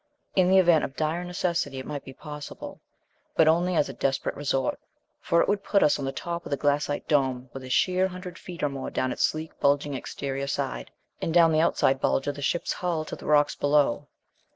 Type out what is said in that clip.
In the event of dire necessity it might be possible. But only as a desperate resort, for it would put us on the top of the glassite dome, with a sheer hundred feet or more down its sleek bulging exterior side, and down the outside bulge of the ship's hull, to the rocks below.